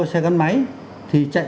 xe gắn máy thì chạy